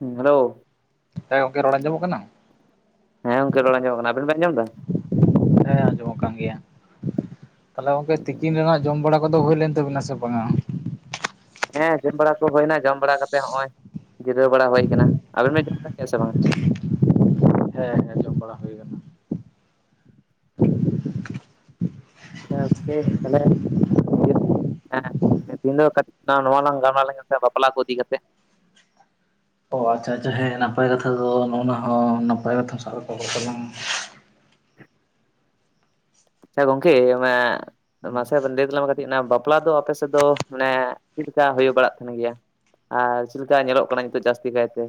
ᱦᱩᱸ ᱦᱮᱞᱳ᱾ ᱦᱮᱸ ᱜᱚᱝᱠᱮ ᱨᱚᱲ ᱟᱸᱡᱚᱢᱚᱜ ᱠᱟᱱᱟ? ᱦᱮᱸ ᱜᱚᱢᱠᱮ ᱨᱚᱲ ᱟᱸᱡᱚᱢᱚᱜ ᱠᱟᱱᱟ ᱟᱵᱤᱱ ᱵᱤᱱ ᱟᱸᱡᱚᱢ ᱮᱫᱟ᱾ ᱦᱮᱸ ᱟᱸᱡᱚᱢᱚᱜ ᱠᱟᱱ ᱜᱮᱭᱟ ᱛᱟᱦᱞᱮ ᱜᱚᱝᱠᱮ ᱛᱤᱠᱤᱱ ᱨᱮᱱᱟᱜ ᱡᱚᱢ ᱵᱟᱲᱟ ᱚᱠᱟ ᱫᱚ ᱦᱩᱭ ᱞᱮᱱ ᱛᱟᱵᱤᱱᱟ ᱥᱮ ᱵᱟᱝᱼᱟ ᱦᱮᱸ ᱡᱚᱢ ᱵᱟᱲᱟ ᱠᱚ ᱦᱩᱭ ᱮᱱᱟ ᱡᱚᱢ ᱵᱟᱲᱟ ᱠᱟᱛᱮᱫ ᱦᱚᱸᱜ ᱚᱭ ᱡᱤᱨᱟᱹᱣ ᱵᱟᱲᱟ ᱦᱩᱭ ᱟᱠᱟᱱᱟ ᱟᱵᱮᱱ ᱵᱤᱱ ᱡᱚᱢ ᱵᱟᱲᱟ ᱠᱮᱫᱼᱟ ᱥᱮ ᱵᱟᱝᱼᱟ ᱦᱮᱸ ᱦᱮᱸ ᱡᱚᱢ ᱵᱟᱲᱟ ᱦᱩᱭ ᱟᱠᱟᱱᱟ᱾ [unintelligible] [unintelligible] ᱦ ᱦᱮᱸ ᱫᱚ ᱠᱟᱹᱴᱤᱡ ᱱᱚᱣᱟ ᱞᱟᱝ ᱜᱟᱞ ᱢᱟᱨᱟᱣᱟ ᱥᱮ ᱵᱟᱯᱞᱟ ᱠᱚ ᱤᱫᱤ ᱠᱟᱛᱮᱫ ᱚ ᱟᱪᱪᱷᱟ ᱟᱪᱪᱷᱟ ᱦᱮᱸ ᱱᱟᱯᱟᱭ ᱠᱟᱛᱷᱟ ᱫᱚ ᱱᱚᱜᱼᱚᱭ ᱱᱚᱣᱟ ᱦᱚᱸ ᱱᱟᱯᱟᱭ ᱠᱟᱛᱷᱟᱢ ᱥᱟᱵ ᱨᱟᱠᱟᱵ ᱟᱠᱟᱫ ᱛᱟᱞᱟᱝ-ᱟ ᱦᱮᱸ ᱜᱚᱝᱠᱮ ᱚᱱᱮ ᱢᱟᱥᱮ ᱞᱟᱹᱭ ᱛᱟᱞᱟᱝ ᱢᱮ ᱠᱟᱹᱴᱤᱡ ᱵᱟᱯᱞᱟ ᱫᱚ ᱟᱯᱮ ᱥᱮᱫ ᱫᱚ ᱢᱟᱱᱮ ᱪᱮᱫ ᱞᱮᱠᱟ ᱦᱩᱭ ᱵᱟᱲᱟᱜ ᱠᱟᱱ ᱜᱮᱭᱟ ᱟᱨ ᱪᱮᱫ ᱞᱮᱠᱟ ᱧᱮᱞᱚᱜ ᱠᱟᱱᱟ ᱱᱤᱛᱚᱜ ᱡᱟᱹᱥᱛᱤ ᱠᱟᱭᱛᱮ?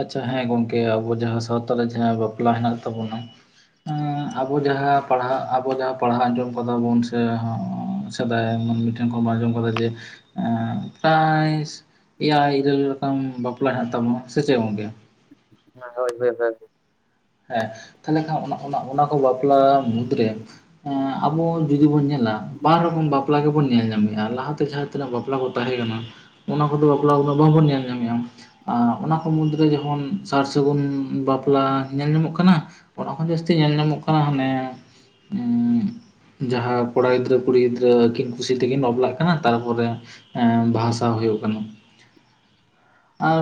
ᱟᱪᱪᱷᱟ ᱦᱮᱸ ᱜᱚᱝᱠᱮ ᱟᱵᱚ ᱡᱟᱦᱟᱸ ᱥᱟᱶᱛᱟ ᱨᱮ ᱡᱟᱦᱟᱸ ᱵᱟᱯᱞᱟ ᱦᱮᱱᱟᱜ ᱛᱟᱵᱚᱱᱟ ᱟᱵᱚ ᱡᱟᱦᱟᱸ ᱯᱟᱲᱦᱟᱜ ᱟᱵᱚ ᱡᱟᱦᱟᱸ ᱯᱟᱲᱦᱟᱣ ᱟᱸᱡᱚᱢ ᱠᱟᱫᱟ ᱵᱚᱱ ᱥᱮ ᱥᱮᱫᱟᱭ ᱢᱤᱫ ᱴᱮᱱ ᱠᱚᱢ ᱟᱸᱡᱚᱢ ᱠᱟᱫᱟ ᱡᱮ [unintelligible] ᱮᱭᱟᱭ ᱤᱨᱟᱹᱞ ᱜᱚᱴᱟᱝ ᱵᱟᱯᱞᱟ ᱦᱮᱱᱟᱜ ᱛᱟᱵᱚᱱᱟ ᱥᱮ ᱪᱮᱫ ᱜᱚᱝᱠᱮ ᱦᱚᱭ ᱵᱮᱥ ᱦᱮᱸ ᱛᱟᱦᱚᱞᱮ ᱠᱷᱟᱱ ᱚᱱᱟ ᱠᱚ ᱵᱟᱯᱞᱟ ᱢᱩᱫᱽᱨᱮ ᱟᱵᱚ ᱡᱩᱫᱤ ᱵᱚᱱ ᱧᱮᱞ ᱵᱟᱨ ᱨᱚᱠᱚᱢ ᱵᱟᱯᱞᱟ ᱜᱮᱵᱚᱱ ᱧᱮᱞ ᱧᱟᱢᱮᱫᱼᱟ ᱞᱟᱦᱟᱛᱮ ᱡᱟᱦᱟᱸ ᱛᱤᱱᱟᱹᱜ ᱵᱟᱯᱞᱟ ᱠᱚ ᱛᱟᱦᱮᱸ ᱠᱟᱱᱟ ᱚᱱᱟ ᱠᱚᱫᱚ ᱵᱟᱯᱞᱟ ᱠᱚ ᱵᱟᱸᱵᱚᱱ ᱧᱮᱞ ᱧᱟᱢᱮᱫᱼᱟ ᱟᱨ ᱚᱱᱟ ᱠᱚ ᱢᱩᱫᱽ ᱨᱮ ᱡᱮᱢᱚᱱ ᱥᱟᱨ ᱥᱟᱹᱜᱩᱱ ᱵᱟᱯᱞᱟ ᱧᱮᱞ ᱧᱟᱢᱚᱜ ᱠᱟᱱᱟ ᱚᱱᱟ ᱠᱷᱚᱱ ᱡᱟᱹᱥᱛᱤ ᱧᱮᱞ ᱧᱟᱢᱚᱜ ᱠᱟᱱᱟ ᱦᱟᱱᱮ ᱡᱟᱦᱟᱸ ᱠᱚᱲᱟ ᱜᱤᱫᱽᱨᱟᱹ ᱠᱩᱲᱤ ᱜᱤᱫᱽᱨᱟᱹ ᱟᱹᱠᱤᱱ ᱠᱩᱥᱤ ᱛᱮᱠᱤᱱ ᱵᱟᱯᱞᱟᱜ ᱠᱟᱱᱟ᱾ ᱛᱟᱨᱯᱚᱨᱮ ᱮᱸ ᱵᱟᱦᱟ ᱥᱟᱣ ᱦᱩᱭᱩᱜ ᱠᱟᱱᱟ᱾ ᱟᱨ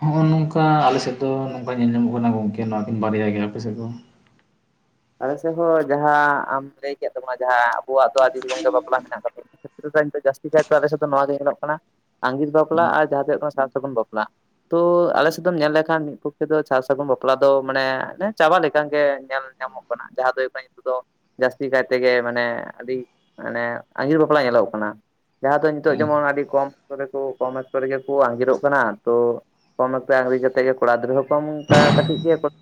ᱱᱚᱜᱼᱚᱭ ᱱᱚᱝᱠᱟ ᱟᱞᱮ ᱥᱮᱫ ᱫᱚ ᱱᱚᱝᱠᱟ ᱧᱮᱞ ᱧᱟᱢᱚᱜ ᱠᱟᱱᱟ ᱜᱚᱝᱠᱮ ᱱᱚᱣᱟ ᱠᱤᱱ ᱵᱟᱨᱭᱟ ᱜᱮ ᱟᱯᱮ ᱥᱮᱫ ᱫᱚ ᱟᱞᱮ ᱥᱮ ᱦᱚᱸ ᱡᱟᱦᱟᱸ ᱟᱢ ᱞᱟᱹᱭ ᱠᱮᱫ ᱛᱟᱵᱚᱱᱟ ᱡᱟᱦᱟᱸ ᱟᱵᱚᱣᱟᱜ ᱫᱚ ᱟᱹᱰᱤ ᱨᱚᱠᱚᱢ ᱜᱮ ᱵᱟᱯᱞᱟ ᱢᱮᱱᱟᱜ ᱛᱟᱵᱚᱱᱟ ᱫᱚ ᱡᱟᱹᱥᱛᱤ ᱠᱟᱭᱛᱮ ᱟᱞᱮ ᱥᱮᱫ ᱫᱚ ᱡᱟᱥᱛᱤ ᱠᱟᱭᱛᱮ ᱱᱚᱣᱟ ᱜᱮ ᱧᱮᱞᱚᱜ ᱠᱟᱱᱟ ᱟᱸᱜᱤᱨ ᱵᱟᱯᱞᱟ ᱟᱨ ᱡᱟᱦᱟᱸ ᱫᱚ ᱦᱩᱭᱩᱜ ᱠᱟᱱᱟ ᱥᱟᱨ ᱥᱟᱹᱜᱩᱱ ᱵᱟᱯᱞᱟ ᱛᱚ ᱟᱞᱮ ᱥᱮᱫ ᱫᱚᱢ ᱧᱮᱞ ᱞᱮᱠᱷᱟᱱ ᱢᱤᱫ ᱯᱚᱠᱠᱷᱮ ᱫᱚ ᱥᱟᱨ ᱥᱟᱹᱜᱩᱱ ᱵᱟᱯᱞᱟ ᱫᱚ ᱢᱟᱱᱮ ᱪᱟᱵᱟ ᱞᱮᱠᱟ ᱜᱮ ᱧᱮᱞ ᱧᱟᱢᱚᱜᱼᱟ᱾ ᱡᱟᱦᱟᱸ ᱫᱚ ᱦᱩᱭᱩᱜ ᱠᱟᱱᱟ ᱱᱤᱛᱚᱜ ᱫᱚ ᱡᱟᱹᱥᱛᱤ ᱠᱟᱭ ᱛᱮᱜᱮ ᱢᱟᱱᱮ ᱟᱹᱰᱤ ᱢᱟᱱᱮ ᱟᱸᱜᱤᱨ ᱵᱟᱯᱞᱟ ᱧᱮᱞᱚᱜ ᱠᱟᱱᱟ ᱡᱟᱦᱟᱸ ᱫᱚ ᱱᱤᱛᱚᱜ ᱦᱮᱸ ᱡᱮᱢᱚᱱ ᱟᱹᱰᱤ ᱠᱚᱢ ᱠᱚᱢ ᱚᱠᱛᱚ ᱨᱮᱜᱮ ᱠᱚ ᱟᱸᱜᱤᱨᱚᱜ ᱠᱟᱱᱟ᱾ ᱛᱚ ᱠᱚᱢ ᱮᱠᱛᱚ ᱦᱩᱭ ᱠᱟᱛᱮᱜ ᱜᱮ ᱠᱚᱲᱟ ᱜᱤᱫᱽᱨᱟᱹ ᱦᱚᱸ ᱠᱚᱢ ᱠᱟᱹᱴᱤᱡ ᱜᱮ ᱠᱩᱲᱤ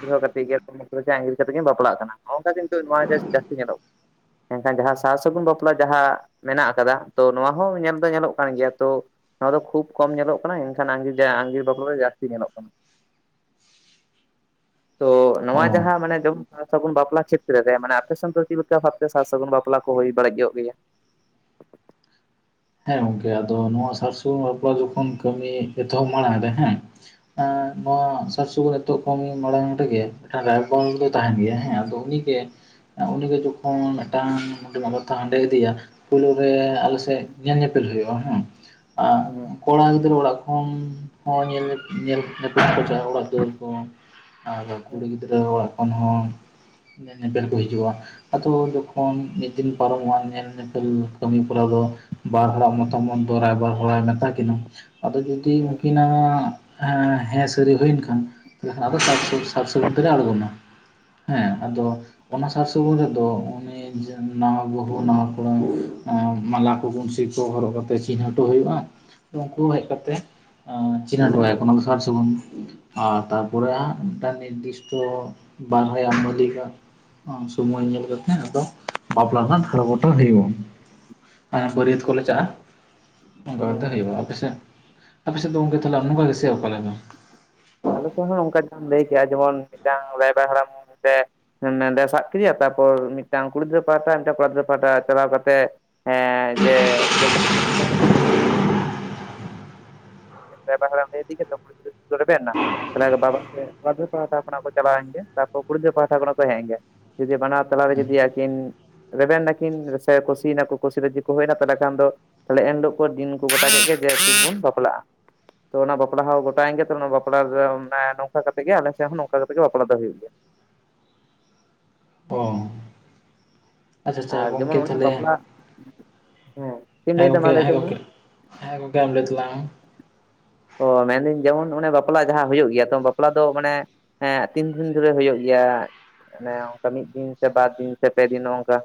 ᱜᱤᱫᱽᱨᱟᱹ ᱦᱚᱸ ᱠᱟᱴᱤᱡ ᱜᱮ ᱟᱸᱜᱤᱨ ᱤᱱᱠᱟᱹ ᱛᱮᱠᱤᱱ ᱵᱟᱯᱞᱟᱜ ᱠᱟᱱᱟ ᱱᱚᱜᱼᱚᱭ ᱱᱚᱝᱠᱟ ᱠᱤᱱᱛᱩ ᱱᱚᱣᱟ ᱡᱟᱹᱥᱛᱤ ᱧᱮᱞᱚᱜ ᱠᱟᱱᱟ ᱢᱮᱱᱠᱷᱟᱱ ᱡᱟᱦᱟᱸ ᱥᱟᱨ ᱥᱟᱹᱜᱩᱱ ᱵᱟᱯᱞᱟ ᱡᱟᱦᱟᱸ ᱢᱮᱱᱟᱜ ᱟᱠᱟᱫᱟ ᱛᱚ ᱱᱚᱣᱟ ᱦᱚᱸ ᱧᱮᱞ ᱫᱚ ᱧᱮᱞᱚᱜ ᱠᱟᱱ ᱜᱮᱭᱟ ᱛᱚ ᱱᱚᱣᱟ ᱫᱚ ᱠᱷᱩᱵ ᱠᱚᱢ ᱧᱮᱞᱚᱜ ᱠᱟᱱᱟ ᱮᱱᱠᱷᱟᱱ ᱟᱸᱜᱤᱨ ᱡᱟᱦᱟᱸ ᱟᱸᱜᱤᱨ ᱵᱟᱯᱞᱟ ᱨᱮ ᱡᱟᱹᱥᱛᱤ ᱧᱮᱞᱚᱜ ᱠᱟᱱᱟ᱾ ᱛᱚ ᱱᱚᱣᱟ ᱚ ᱡᱟᱦᱟᱸ ᱢᱟᱱᱮ ᱮ ᱥᱟᱨ ᱥᱟᱹᱜᱩᱱ ᱵᱟᱯᱞᱟ ᱠᱷᱮᱛᱨᱮ ᱨᱮ ᱢᱟᱱᱮ ᱟᱯᱮ ᱥᱮᱱ ᱫᱚ ᱪᱮᱫ ᱞᱮᱠᱟ ᱵᱷᱟᱵᱛᱮ ᱥᱟᱨ ᱥᱟᱹᱜᱩᱱ ᱵᱟᱯᱞᱟ ᱠᱚ ᱦᱩᱭ ᱵᱟᱲᱮᱡᱚᱜ ᱜᱮᱭᱟ ᱦᱮᱸ ᱜᱚᱝᱠᱮ ᱟᱫᱚ ᱱᱚᱣᱟ ᱥᱟᱨ ᱥᱩᱱ ᱵᱟᱯᱞᱟ ᱡᱚᱠᱷᱚᱱ ᱠᱟᱹᱢᱤ ᱮᱛᱚᱦᱚᱵ ᱢᱟᱲᱟᱝ ᱨᱮ ᱦᱮᱸ ᱮᱸ ᱦᱩᱸ ᱱᱚᱣᱟ ᱥᱟᱨ ᱥᱟᱺᱜᱩᱱ ᱱᱤᱛᱚᱜ ᱠᱚ ᱢᱚᱬᱟᱝ ᱨᱮ ᱜᱮ ᱢᱤᱫ ᱨᱟᱭᱵ ᱫᱚ ᱛᱟᱦᱮᱱ ᱜᱮᱭᱟ ᱦᱮᱸ ᱟᱫᱚ ᱩᱱᱤ ᱜᱮ, ᱩᱱᱤᱫᱚ ᱡᱚᱠᱷᱚᱱ ᱢᱤᱫᱴᱟᱝ ᱚᱸᱰᱮ ᱵᱟᱵᱚᱛ ᱛᱮ ᱦᱟᱸᱰᱮ ᱤᱫᱤᱭᱟ ᱯᱩᱭᱞᱳ ᱨᱮ ᱟᱞᱮᱥᱮᱫ ᱧᱮᱞ ᱧᱮᱯᱮᱞ ᱦᱩᱭᱩᱜᱼᱟ᱾ ᱦᱮᱸ ᱠᱚᱲᱟ ᱜᱤᱫᱽᱨᱟᱹ ᱚᱲᱟᱜ ᱠᱷᱚᱱ ᱦᱚᱸ ᱧᱮᱞ ᱧᱮᱯᱮᱞ ᱠᱚ ᱪᱟᱞᱟᱜᱼᱟ᱾ ᱚᱲᱟᱜ ᱫᱩᱣᱟᱹᱨ ᱠᱚ ᱟᱨ ᱦᱩᱸ ᱠᱩᱲᱤ ᱜᱤᱫᱽᱨᱟᱹ ᱚᱲᱟᱜ ᱠᱷᱚᱱ ᱦᱚᱸ ᱧᱮᱯᱮᱞ ᱠᱚ ᱦᱤᱡᱩᱜᱼᱟ᱾ ᱟᱫᱚ ᱡᱚᱠᱷᱚᱱ ᱢᱤᱫ ᱫᱤᱱ ᱯᱟᱨᱚᱢᱚᱜᱼᱟ ᱧᱮᱞ ᱧᱮᱯᱮᱞ ᱠᱟᱹᱢᱤ ᱠᱚᱨᱟᱣ ᱫᱚ ᱵᱟᱨ ᱦᱚᱲᱟᱜ ᱢᱚᱛᱟᱢᱚᱛ ᱫᱚ ᱨᱟᱭᱵᱟᱨ ᱦᱚᱲᱟᱢ ᱮ ᱢᱮᱛᱟ ᱠᱤᱱᱟᱹ ᱟᱫᱚ ᱡᱩᱫᱤ ᱦᱩᱸ ᱩᱱᱠᱤᱱᱟᱜ ᱦᱮᱸ ᱥᱟᱹᱨᱤ ᱦᱩᱭᱮᱱ ᱠᱷᱟᱱ ᱟᱫᱚ ᱥᱟᱨ ᱥᱟᱜᱩᱱ ᱛᱮᱞᱮ ᱟᱬᱜᱚᱱᱟ ᱦᱮᱸ ᱟᱫᱚ ᱚᱱᱟ ᱥᱟᱨ ᱥᱟᱹᱜᱩᱱ ᱠᱚᱨᱮᱫᱚ ᱩᱱᱤ ᱱᱟᱶᱟ ᱵᱩᱦᱩ ᱱᱟᱶᱟ ᱠᱚᱲᱟ ᱢᱟᱞᱟ ᱵᱩᱱᱥᱤ ᱠᱚ ᱦᱚᱨᱚᱜ ᱠᱟᱛᱮ ᱪᱤᱱᱦᱟᱹᱴᱚ ᱦᱩᱭᱩᱜᱼᱟ ᱩᱱᱠᱩ ᱦᱮᱡ ᱠᱟᱛᱮ ᱳ ᱪᱮᱫᱟᱜ ᱮᱢ ᱨᱚᱲ ᱟᱭ ᱠᱟᱱᱟ ᱥᱚᱵᱥᱚᱢᱚᱭ ᱟᱨ ᱛᱟᱨᱯᱚᱨᱮ ᱦᱟᱸ ᱢᱤᱫ ᱴᱟᱝ ᱱᱤᱨᱫᱤᱥᱴᱚ ᱵᱟᱨ ᱦᱚᱲᱟᱜ ᱵᱷᱚᱨᱛᱤ ᱞᱮᱠᱟ ᱥᱚᱢᱢᱚᱭ ᱧᱮᱞ ᱠᱟᱛᱮ ᱟᱫᱚ ᱵᱟᱯᱞᱟ ᱨᱮᱱᱟᱜ ᱴᱷᱟᱲᱚ ᱜᱚᱴᱟ ᱦᱳᱭᱳᱜ-ᱟ᱾ ᱵᱟᱹᱨᱭᱟᱹᱛ ᱦᱩᱸ ᱦᱩᱸ ᱠᱚᱞᱮ ᱪᱟᱜᱼᱟ ᱚᱱᱠᱟ [unintelligible] ᱦᱩᱸ ᱠᱟᱛᱮ ᱦᱩᱸ ᱦᱩᱭᱩᱜᱼᱟ ᱟᱯᱮᱥᱮᱫ ᱟᱯᱮᱥᱮᱫ ᱫᱚ ᱜᱚᱝᱠᱮ ᱛᱟᱦᱚᱞᱮ [unintelligible] ᱱᱟᱞᱟ ᱜᱮ ᱥᱮ ᱚᱠᱟ ᱞᱮᱠᱟ ᱟᱞᱮ ᱥᱮᱫ ᱦᱚᱸ ᱱᱚᱝᱠᱟ ᱡᱟᱦᱟᱢ ᱞᱟᱹᱭ ᱠᱮᱜᱼᱟ ᱡᱮᱢᱚᱱ ᱢᱤᱫᱴᱟᱝ ᱨᱟᱭᱵᱟᱨ ᱦᱟᱲᱟᱢ ᱥᱮ, [unintelligible] ᱥᱟᱵ ᱠᱮᱫᱮᱭᱟ ᱛᱟᱨᱯᱚᱨ ᱢᱤᱫᱴᱟᱝ ᱠᱩᱲᱤ ᱜᱤᱫᱽᱨ ᱯᱟᱦᱴᱟ ᱢᱤᱫᱴᱟᱝ ᱠᱚᱲᱟ ᱜᱤᱫᱽᱨᱟᱹ ᱯᱟᱦᱟ ᱪᱟᱞᱟᱣ ᱠᱟᱛᱮ ᱦᱮᱸ ᱡᱮ ᱡᱚᱠᱷᱚᱱ ᱨᱟᱭᱵᱭᱨ ᱦᱟᱬᱟᱢ ᱴᱷᱮ ᱤᱫᱤ ᱠᱟᱛᱮ ᱛᱟᱨ ᱯᱚ ᱨᱮ ᱨᱮᱵᱮᱱ ᱱᱟ, ᱛᱟᱦᱮ ᱵᱟᱵᱟ ᱯᱟᱦᱴᱟ ᱠᱷᱚ ᱠᱚ ᱪᱟᱞᱟᱣᱮᱱ ᱜᱮ ᱛᱟᱯᱚᱨ ᱠᱩᱲᱤᱜᱤᱫᱽᱨ ᱯᱟᱦᱴᱟ ᱠᱷᱚᱱᱟᱜ ᱠᱚ ᱦᱮᱡ ᱮ ᱜᱮ ᱡᱩᱫᱤ ᱵᱟᱱᱟᱨ ᱛᱟᱞᱟᱨᱮ ᱡᱩᱫᱤ ᱟᱹᱠᱤᱱ ᱨᱮᱵᱮᱱ ᱱᱟᱹᱠᱤᱱ ᱥᱮ ᱠᱩᱥᱤ ᱱᱟᱠᱚ ᱠᱩᱥᱤ ᱨᱮᱡᱤ ᱠᱚ ᱦᱩᱭᱱᱟ ᱛᱟᱦᱚᱞᱮ ᱠᱷᱟᱱ ᱫᱚ ᱛᱟᱦᱞᱮ ᱮᱱᱦᱤᱞᱳᱜ ᱠᱚ ᱫᱤᱱ ᱠᱚ ᱜᱚᱴᱟ ᱠᱮᱫ ᱜᱮ ᱡᱮ ᱛᱤᱥ ᱵᱚᱱ ᱵᱟᱯᱞᱟᱜᱼᱟ ᱛᱚ ᱚᱱᱟ ᱵᱟᱯᱞᱟ ᱦᱚᱸ ᱜᱚᱴᱟᱮᱱ ᱜᱮ ᱛᱚ ᱚᱱᱟ ᱵᱟᱯᱞᱟ ᱨᱮ ᱱᱚᱝᱠᱟ ᱠᱟᱛᱮᱜ ᱜᱮ ᱟᱞᱮ ᱥᱮᱫ ᱦᱚᱸ ᱱᱚᱝᱠᱟ ᱠᱟᱛᱮᱜ ᱜᱮ ᱵᱟᱯᱞᱟ ᱫᱚ ᱦᱩᱭᱩᱜ ᱜᱮᱭᱟ᱾ ᱚᱻ ᱟᱨ ᱡᱮᱢᱚᱱ ᱚᱱᱮ ᱛᱟᱦᱚᱞᱮ ᱵᱟᱯᱞᱟ ᱦᱮᱸ ᱪᱮᱫ ᱮᱢ ᱦᱮᱸ ᱞᱟᱹᱭ ᱫᱟ ᱜᱚᱝᱠᱮ ᱢᱟ ᱞᱟᱹᱭ ᱦᱮᱸ ᱢᱮ ᱜᱚᱝᱠᱮ ᱦᱮᱸ ᱜᱚᱝᱠᱮ ᱟᱢ ᱞᱟᱹᱭ ᱛᱟᱞᱟᱝ ᱢᱮ ᱚ ᱢᱮᱱᱫᱟᱹᱧ ᱡᱮᱢᱚᱱ ᱚᱱᱮ ᱵᱟᱯᱞᱟ ᱡᱟᱦᱟᱸ ᱦᱩᱭᱩᱜ ᱜᱮᱭᱟ ᱛᱚ ᱵᱟᱯᱞᱟ ᱫᱚ ᱢᱟᱱᱮ ᱦᱮᱸ ᱛᱤᱱ ᱫᱤᱱ ᱫᱷᱚᱨᱮ ᱦᱩᱭᱩᱜ ᱜᱮᱭᱟ ᱚᱱᱠᱟ ᱢᱤᱫ ᱫᱤᱱ ᱥᱮ ᱵᱟᱨ ᱫᱤᱱ ᱥᱮ ᱯᱮ ᱫᱤᱱ ᱱᱚᱝᱠᱟ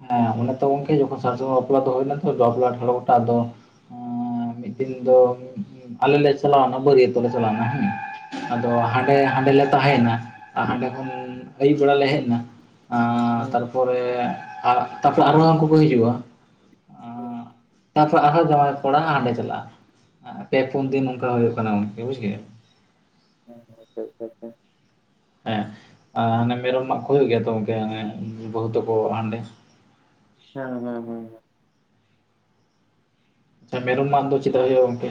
ᱦᱮᱸ ᱚᱱᱮ ᱛᱚ ᱜᱚᱝᱠᱮ ᱡᱚᱠᱷᱚᱱ ᱥᱟᱨ ᱥᱟᱜᱩᱶ ᱵᱟᱯᱞᱟ ᱫᱟ ᱦᱩᱭᱱᱟ ᱛᱚ [unintelligible] ᱟᱫᱚ, ᱟ ᱢᱤᱫ ᱫᱤᱱ ᱫᱚ ᱟᱞᱮ ᱞᱮ ᱪᱟᱞᱟᱣᱱᱟ ᱵᱟᱹᱨᱭᱟᱹᱛᱚᱜ ᱞᱮᱮ ᱪᱟᱞᱟᱣᱱᱟ ᱦᱮᱸ ᱟᱫᱚ ᱦᱮᱸ ᱦᱟᱸᱰᱮ ᱦᱟᱸᱰᱮᱞᱮ ᱛᱟᱦᱮᱭᱮᱱᱟ ᱟᱨ ᱦᱟᱸᱰᱮ ᱠᱷᱚᱱ ᱟᱹᱭᱩᱵ ᱵᱮᱲᱟ ᱞᱮ ᱦᱮᱡ ᱮᱱᱟ᱾ ᱟᱸᱻ ᱦᱮᱸ ᱛᱟᱨᱯᱚᱨᱮ ᱛᱟᱨᱯᱚᱨᱮ ᱟᱨᱦᱚᱸ ᱦᱟᱱᱠᱩ ᱠᱚ ᱦᱤᱡᱩᱜ-ᱟ? ᱦᱮᱸ ᱛᱟᱯᱚᱨ ᱟᱨᱦᱚᱸ ᱡᱟᱶᱟᱭ ᱠᱚᱲᱟ ᱦᱟᱸᱜ ᱦᱟᱸᱰᱮ ᱪᱟᱞᱟᱜᱼᱟ ᱯᱮ ᱯᱩᱱ ᱫᱤᱱ ᱚᱱᱠᱟ ᱦᱩᱭᱩᱜ ᱠᱟᱱᱟ ᱵᱩᱡ ᱠᱮᱜ-ᱟ᱾ [unintelligible] ᱦᱮᱸ ᱦᱟᱱᱮ ᱢᱮᱨᱚᱢ ᱢᱟᱜ ᱠᱚ ᱦᱩᱭᱩᱜ ᱜᱮᱭᱟ ᱛᱚ ᱜᱚᱝᱠᱮ ᱦᱟᱱᱮ ᱵᱟᱹᱦᱩ ᱛᱟᱠᱚ ᱦᱟᱸᱰᱮ ᱦᱮᱸ ᱦᱮᱸ ᱦᱮᱸ ᱢᱮᱨᱚᱢ ᱢᱟᱜ ᱫᱚ ᱪᱮᱜᱠᱟ ᱦᱩᱭᱩᱜᱼᱟ ᱜᱚᱝᱠᱮ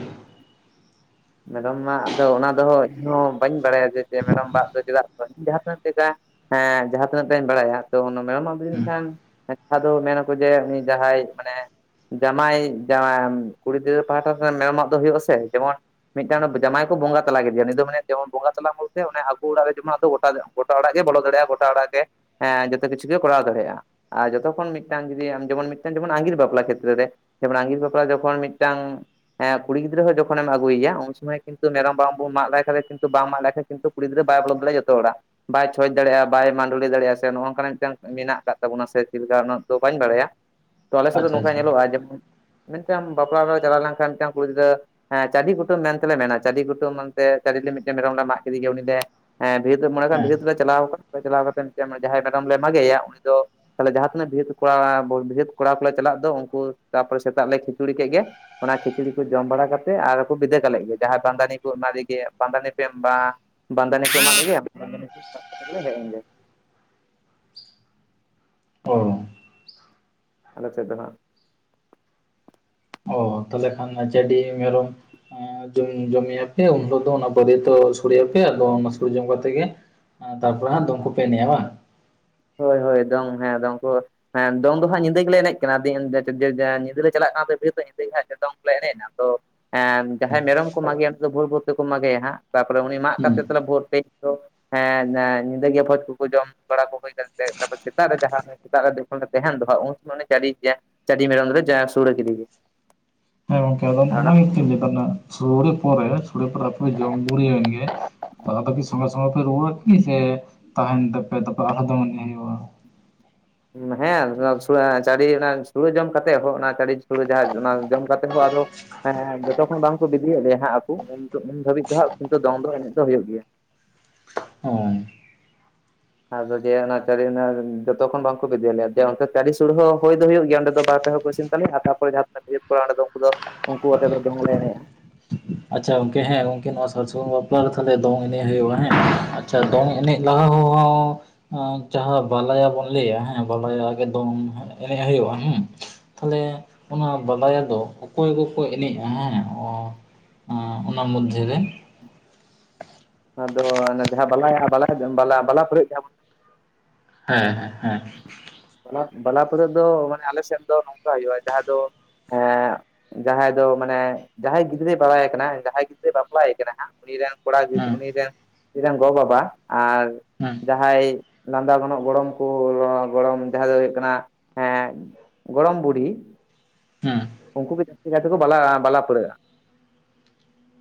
ᱢᱮᱨᱚᱢ ᱢᱟᱜ ᱫᱚ ᱚᱱᱟ ᱫᱚ ᱤᱧᱦᱚᱸ ᱵᱟᱹᱧ ᱵᱟᱲᱟᱭᱟ ᱡᱮ ᱢᱮᱨᱚᱢ ᱢᱟᱜ ᱫᱚ ᱪᱮᱫᱟᱜ ᱡᱟᱦᱟᱸ ᱛᱤᱱᱟᱹᱜ ᱞᱮᱠᱟ ᱦᱮᱸ ᱡᱟᱦᱟᱸ ᱛᱤᱱᱟᱹᱜ ᱵᱤᱱ ᱵᱟᱲᱟᱭᱟ ᱛᱚ ᱚᱱᱟ ᱢᱮᱨᱚᱢᱟᱜ ᱫᱚ ᱡᱟᱱᱤᱡ ᱠᱷᱟᱱ [unintelligible] ᱫᱚ ᱢᱮᱱᱟᱠᱚ ᱡᱮ ᱩᱱᱤ ᱡᱟᱦᱟᱸᱭ ᱢᱟᱱᱮ ᱡᱟᱢᱟᱭ ᱡᱟᱭ ᱠᱩᱲᱤ ᱜᱤᱫᱽᱨᱟᱹ ᱯᱟᱦᱴᱟ ᱢᱮᱨᱚᱢᱟᱜ ᱫᱚ ᱦᱩᱭᱩᱜᱼᱟ ᱥᱮ ᱡᱮᱢᱚᱱ ᱢᱤᱫᱴᱟᱝ ᱡᱟᱢᱟᱭ ᱠᱚ ᱵᱚᱸᱜᱟ ᱛᱞᱟ ᱠᱮᱫᱮᱭᱟ ᱩᱱᱤ ᱫᱚ ᱢᱟᱱᱮ ᱡᱮᱢᱚᱱ ᱵᱚᱸᱜᱟ ᱛᱟᱞᱟ ᱵᱚᱞᱛᱮ ᱟᱹᱠᱩ ᱚᱲᱟᱜ ᱨᱮ ᱡᱮᱢᱚᱱ ᱟᱫᱚ ᱜᱚᱴᱟ ᱜᱚᱴᱟ ᱚᱲᱟᱜ ᱜᱮ ᱵᱚᱞᱚ ᱫᱟᱲᱮᱭᱟᱜᱼᱟ ᱜᱚᱴᱟ ᱚᱲᱟᱜ ᱜᱮ ᱮᱸ ᱡᱚᱛᱚ ᱠᱤᱪᱷᱩ ᱜᱮ ᱠᱚᱨᱟᱣ ᱫᱟᱲᱮᱭᱟᱜᱼᱟ ᱟᱨ ᱡᱚᱛᱚ ᱠᱷᱚᱱ ᱢᱤᱫᱴᱟᱝ ᱡᱩᱫᱤ ᱡᱮᱢᱚᱱ ᱢᱤᱫᱴᱟᱝ ᱡᱮᱢᱚᱱ ᱟᱸᱜᱤᱨ ᱵᱟᱯᱞᱟ ᱠᱷᱮᱛᱨᱮ ᱨᱮ ᱡᱮᱢᱚᱱ ᱟᱸᱜᱤᱨ ᱵᱟᱯᱞᱟ ᱡᱚᱠᱷᱚᱱ ᱢᱤᱫᱴᱟᱝ ᱠᱩᱲᱤ ᱜᱤᱫᱽᱟᱹ ᱡᱚᱠᱷᱚᱱ ᱮᱢ ᱟᱜᱩ ᱩᱭᱟ ᱩᱱ ᱥᱚᱢᱚᱭ ᱠᱤᱱᱛᱩ ᱢᱮᱨᱚᱢ ᱵᱟᱝ ᱵᱚᱱ ᱢᱟᱜ ᱞᱮᱠᱷᱟᱡ ᱠᱤᱱᱛᱩ ᱵᱟᱝ ᱢᱟᱜ ᱞᱮᱠᱷᱟᱱ ᱠᱤᱱᱛᱩ ᱠᱩᱲᱤᱜᱤᱫᱽᱨᱟᱹ ᱵᱚᱞ ᱫᱟᱲᱮᱭᱟᱜ-ᱟ ᱡᱚᱛᱚ ᱚᱲᱟᱜ᱾ ᱵᱟᱭ ᱪᱷᱚᱸᱪ ᱫᱟᱲᱮᱭᱟᱜᱼᱟ ᱵᱟᱭ ᱢᱟᱸᱰᱞᱤ ᱫᱟᱲᱮᱭᱟᱜᱼᱟ ᱥᱮ ᱱᱚᱜ ᱱᱚᱝᱠᱟᱱᱟᱜ ᱢᱤᱫᱴᱟᱝ ᱢᱮᱱᱟᱜ ᱟᱠᱟᱫ ᱛᱟᱵᱚᱱᱟ ᱥᱮ ᱪᱮᱫ ᱞᱮᱠᱟ ᱩᱱᱟ. ᱜ ᱫᱚ ᱵᱟᱹᱧ ᱵᱟᱲᱟᱭᱟ ᱛᱚ ᱟᱞᱮ ᱥᱮᱫ ᱫᱚ ᱟᱪᱪᱷᱟ ᱱᱚᱝᱠᱟ ᱟᱪᱪᱷᱟ ᱧᱮᱞᱚᱜᱼᱟ ᱡᱮ ᱢᱮᱱᱛᱮ ᱟᱢ ᱵᱟᱯᱞᱟ ᱪᱟᱞᱟᱣ ᱞᱮᱱᱠᱷᱟᱱ ᱢᱤᱫᱴᱟᱝ ᱠᱩᱲᱤ ᱜᱤᱫᱽᱨᱟᱹ ᱦᱮᱸ ᱪᱟᱹᱰᱤ ᱠᱩᱴᱟᱹᱢ ᱢᱮᱱᱛᱮᱞᱮ ᱢᱮᱱᱟ ᱪᱟᱹᱰᱤ ᱠᱩᱠᱩᱴᱟᱹᱢ ᱢᱮᱱᱛᱮ ᱪᱟᱹᱰ ᱞᱮ ᱢᱤᱫᱴᱮᱱ ᱢᱮᱨᱚᱢ ᱞᱮ ᱢᱟᱜ ᱠᱮᱫᱮ ᱜᱮ ᱩᱱᱤᱞᱮ ᱦᱮᱸ ᱵᱟᱹᱨᱭᱟᱹᱛᱚᱜ ᱢᱚᱱᱮ ᱠᱷᱟᱱ ᱦᱮᱸ ᱵᱟᱹᱨᱭᱟᱹᱛᱚᱜ ᱞᱮ ᱪᱟᱞᱟᱣ ᱠᱟᱱᱟ ᱪᱟᱞᱟᱣ ᱠᱟᱛᱮ ᱡᱟᱦᱟᱸᱭ ᱢᱮᱨᱚᱢ ᱞᱮ ᱢᱟᱜᱮᱭᱟ ᱩᱱᱤ ᱫᱚ ᱛᱟᱦᱞᱮ ᱡᱟᱦᱟᱸ ᱛᱤᱱᱟᱹᱜ ᱵᱟᱹᱨᱭᱟᱹᱛ ᱠᱚᱲᱟ ᱵᱟᱹᱨᱭᱟᱹᱛ ᱠᱚᱲᱟ ᱠᱚᱞᱮ ᱪᱟᱞᱟᱜ ᱫᱚ ᱩᱱᱠᱩ ᱛᱟᱨᱯᱚᱨᱮ ᱥᱮᱛᱟᱜ ᱞᱮ ᱠᱷᱤᱪᱩᱲᱤ ᱠᱮᱫ ᱜᱮ ᱚᱱᱟ ᱠᱷᱤᱪᱲᱤ ᱠᱚ ᱡᱚᱢ ᱵᱟᱲᱟ ᱠᱟᱛᱮᱫ ᱟᱨ ᱵᱤᱫᱟᱹ ᱠᱟᱞᱮ ᱜᱮ ᱡᱟᱦᱟᱸᱭ ᱵᱟᱸᱫᱟᱱᱤ ᱠᱚ ᱮᱢᱟᱫᱮᱜᱮ ᱵᱟᱸᱫᱟᱱᱤ ᱯᱮᱸ ᱵᱟᱸ ᱵᱟᱸᱫᱟᱱᱤ ᱠᱚ [unintelligible] ᱮᱢᱟᱫᱮᱜᱮ ᱟᱫᱚ ᱵᱟᱸᱫᱟᱱᱤ ᱠᱚ ᱥᱟᱵ ᱟᱛᱮ ᱜᱮᱞᱮ ᱦᱮᱡ ᱮᱱ ᱜᱮ ᱚᱻ ᱟᱞᱮ ᱥᱮᱫ ᱫᱚ ᱦᱸᱟᱜ ᱚ ᱛᱟᱦᱚᱞᱮ ᱠᱷᱟᱱ ᱪᱟᱹᱰᱤ ᱢᱮᱨᱚᱢ ᱡᱚᱢᱮ ᱼᱼ ᱯᱮ ᱩᱱ ᱦᱤᱞᱳᱜ ᱫᱚ ᱚᱱᱟ ᱵᱟᱹᱨᱭᱟᱹᱛᱚ ᱥᱚᱲᱮᱭᱟᱯᱮ ᱟᱫᱚ ᱚᱱᱟ ᱥᱳᱲᱮ ᱡᱚᱢ ᱠᱟᱛᱮ ᱜᱮ ᱛᱟᱨᱯᱚᱨᱮ ᱦᱟᱸᱜ ᱫᱚᱝ ᱠᱚᱯᱮ ᱮᱱᱮᱡᱼᱟ ᱵᱟᱝ ᱦᱳᱭ ᱦᱳᱭ ᱫᱚᱝ ᱦᱮᱸ ᱫᱚᱝ ᱠᱚ ᱦᱮᱸ ᱫᱚᱝ ᱫᱚ ᱦᱟᱸᱜ ᱧᱤᱫᱟᱹ ᱜᱮᱞᱮ ᱮᱱᱮᱡ ᱠᱟᱱᱟ ᱫᱤ ᱧᱤᱫᱟᱹᱞᱮ ᱪᱟᱞᱟᱜ ᱠᱟᱱᱟ ᱵᱤᱨᱭᱟᱹᱛᱜ ᱧᱤᱫᱟᱹ ᱜᱮ ᱦᱟᱸᱜ ᱫᱚᱝ ᱠᱚᱞᱮ ᱮᱱᱮᱡᱼᱟ ᱛᱚ ᱮᱸ ᱡᱟᱦᱟᱸᱭ ᱢᱮᱨᱚᱢ ᱠᱚ ᱢᱟᱜᱮᱭᱟ ᱱᱤᱫᱚ ᱵᱷᱳᱨ ᱵᱷᱳᱨ ᱛᱮᱠᱚ ᱢᱟᱜᱮᱭᱟ ᱦᱟᱸᱜ ᱛᱟᱯᱚᱨᱮ ᱩᱱᱤ ᱢᱟᱜ ᱦᱩᱸ ᱠᱟᱛᱮ ᱵᱷᱳᱨ ᱛᱮ ᱦᱮ ᱦᱮᱧ ᱧᱤᱫᱟᱹᱭᱟ ᱵᱷᱚᱡᱽ ᱠᱚᱠᱚ ᱡᱚᱢ ᱵᱟᱲᱟ ᱠᱚ ᱦᱳᱭ [unintelligible] ᱮᱱᱛᱮ ᱛᱯᱟᱚᱨ ᱥᱮᱛᱟᱜ ᱨᱮ ᱡᱟᱦᱟᱸ ᱥᱮᱛᱟᱜ ᱨᱮ ᱡᱚᱠᱷᱚᱱ ᱞᱮ ᱛᱟᱦᱮᱱ ᱫᱚ ᱦᱟᱸᱜ ᱩᱱ ᱥᱚᱢᱚᱭ ᱩᱱᱤ ᱪᱟᱹᱤᱡ ᱡᱤᱭᱟ ᱪᱟᱹᱤ ᱢᱮᱨᱟ ᱫᱚᱞᱮ ᱡᱟ ᱥᱩᱲᱮ ᱠᱤᱫᱤ ᱜᱤ ᱦᱮᱸ ᱜᱚᱝᱠᱮ ᱟᱫᱚ ᱚᱱᱟ ᱜᱮᱛᱚᱧ ᱞᱟ. ᱭ ᱫᱟ ᱱᱟ ᱥᱩᱲᱮ ᱯᱚᱨᱮ ᱥᱩᱲᱮ ᱯᱚᱨᱮ ᱟᱯᱮ ᱫᱚ ᱡᱚᱢ ᱜᱩᱲᱭᱟᱹᱜᱮ ᱟᱫᱚ ᱠᱤ ᱥᱚᱸᱜᱮ ᱥᱚᱸᱜᱮ ᱯᱮ ᱨᱩᱣᱟᱹᱲᱼᱟ ᱠᱤ ᱥᱮ ᱛᱟᱦᱮᱱ ᱛᱮᱯᱮ ᱛᱮᱯᱮ ᱟᱨᱚ ᱫᱚᱝ ᱮᱱᱮᱡ ᱦᱩᱭᱩᱜᱼᱟ ᱦᱮᱸ [unintelligible] ᱪᱟᱹᱲᱤ ᱥᱩᱲᱮ ᱡᱚᱢ ᱠᱟᱛᱮᱮᱫ ᱦᱚᱸ ᱚᱱᱟ ᱪᱤ ᱥᱩᱲ ᱡᱟᱦᱟᱸ ᱚᱱᱟ ᱡᱚᱢ ᱠᱟᱛᱮ ᱦᱚᱸ ᱟᱫᱚ [unintelligible] ᱦᱮᱸ ᱡᱚᱛᱚᱠᱷᱚᱱ ᱵᱟᱝᱠᱚ ᱵᱤᱫᱤᱭᱮᱫ ᱞᱮᱭᱟ ᱦᱟᱸᱜ ᱟᱠᱩ ᱩᱱ ᱩᱱ ᱫᱷᱟᱹᱵᱤᱡ ᱫᱚ ᱦᱟᱸᱜ ᱠᱤᱱᱛᱩ ᱫᱚᱝ ᱫᱚ ᱮᱱᱮᱡ ᱫᱚ ᱦᱩᱭᱩᱜ ᱜᱮᱭᱟ ᱚᱸᱭ ᱟᱫᱚ ᱡᱮ ᱚᱱᱟ ᱪᱟᱹᱨᱤ ᱡᱚᱛᱚ ᱠᱷᱚᱱ ᱵᱟᱝᱠᱚ ᱵᱤᱫᱟ. ᱭᱮᱫ ᱞᱮᱭᱟᱮ ᱚᱱᱛᱮ ᱪᱟᱹᱨᱤ ᱥᱩᱲᱟᱹ ᱦᱚᱸ ᱦᱩᱭᱫᱚ ᱦᱩᱭᱩᱜ ᱜᱮᱭᱟ ᱚᱸᱰᱮ ᱫᱚ ᱵᱟᱨ ᱯᱮ ᱦᱚᱲ ᱠᱚ ᱤᱥᱤᱱ ᱪᱟᱞᱮ ᱦᱟᱛᱟᱳ ᱯᱚᱨᱮ ᱡᱟᱦᱟᱸ ᱛᱤᱱᱟᱹᱜ ᱵᱤᱨᱭᱟ. ᱛ ᱠᱚᱲᱟ ᱚᱸᱰᱮ ᱫᱚ ᱩᱱᱠᱩ ᱫᱚ ᱩᱱᱠᱩ ᱟᱛᱮᱫ ᱫᱚᱝ ᱞᱮ ᱮᱱᱮᱡᱼᱟ ᱟᱪᱪᱷᱟ ᱜᱚᱝᱠᱮ ᱦᱮᱸ ᱜᱚᱝᱠᱤ ᱱᱚᱣᱟ ᱥᱟᱨ ᱥᱜᱩᱱ ᱵᱟᱯᱟᱨ ᱛᱟᱦᱞᱮ ᱫᱚᱝ ᱮᱱᱮᱡ ᱦᱩᱭᱩᱜᱼᱟ ᱦᱮᱸ ᱟᱪᱪᱷᱟ ᱫᱚᱝ ᱮᱱᱮᱡ ᱞᱟᱦᱟ ᱦᱚᱸ ᱡᱟᱦᱟᱸ ᱵᱟᱞᱟᱭᱟ ᱵᱚᱱ ᱞᱟᱹᱭᱟ ᱦᱮᱸ ᱵᱟᱞᱟᱭᱟ ᱜᱮ ᱫᱚᱝ ᱮᱱᱮᱡ ᱦᱩᱭᱩᱜᱼᱟ ᱦᱮᱸ ᱛᱟᱦᱞᱮ ᱚᱱᱟ ᱵᱟᱫᱟᱭᱟ ᱫᱚ ᱚᱠᱚᱭ ᱠᱚᱠᱚ ᱮᱱᱮᱡᱼᱟ ᱦᱮᱸ ᱚᱸ ᱚᱱᱟ ᱢᱚᱫᱽᱫᱷᱮ ᱨᱮ ᱟᱫᱚ ᱡᱟᱦᱟᱸ ᱵᱟᱞᱟᱭᱟ ᱵᱟᱞᱟ ᱵᱟᱞᱟ ᱯᱟ. ᱲᱦᱟ. ᱜ ᱡᱟᱦᱟᱸ ᱵᱚᱱ ᱦᱮᱸ ᱦᱮᱸ ᱦᱮᱸ ᱵᱟᱞᱟ ᱵᱟᱞᱟ ᱞᱟᱹᱲᱦᱟᱹᱭᱟ ᱫᱚ ᱢᱟᱱᱮ ᱟᱞᱮ ᱥᱮᱱ ᱫᱚ ᱱᱚᱝᱠᱟ ᱦᱩᱭᱩᱜᱼᱟ ᱡᱟᱦᱟᱸ ᱫᱚ ᱮᱸ ᱡᱟᱦᱟᱸᱭ ᱫᱚ ᱢᱟᱱᱮ ᱡᱟᱦᱟᱸᱭ ᱜᱤᱫᱽᱨᱟᱹᱭ ᱵᱟᱲᱟᱭᱮ ᱠᱟᱱᱟ ᱡᱟᱦᱟᱸᱭ ᱜᱤᱫᱽᱨᱟᱹᱭ ᱵᱟᱯᱞᱟᱭᱮ ᱠᱟᱱᱟ ᱦᱟᱸᱜ ᱩᱱᱤ ᱨᱮᱱ ᱠᱚᱲᱟ ᱜᱤᱫ ᱦᱮᱸ ᱩᱱᱤ ᱨᱮᱱ ᱱᱤ ᱨᱮᱱ ᱜᱚ ᱵᱟᱵᱟ ᱟᱨ ᱦᱮᱸ ᱡᱟᱦᱟᱸᱭ ᱞᱟᱸᱫᱟ ᱜᱟᱱᱚᱜ ᱜᱚᱲᱚᱢ ᱠᱟ ᱜᱚᱲᱚᱢ ᱡᱟᱦᱟᱸ ᱫᱚ ᱦᱩᱭᱩᱜ ᱠᱟᱱᱟ ᱦᱮᱸ ᱜᱚᱲᱚᱢ ᱵᱩᱰᱦᱤ ᱦᱩᱸ ᱩᱱᱠᱩ ᱜᱮ ᱡᱟᱹᱥᱛᱤ ᱠᱟᱭᱛᱮᱠᱚ ᱵᱟᱞᱟ ᱵᱟᱞᱟ ᱯᱟᱹᱲᱦᱟᱹᱜᱼᱟ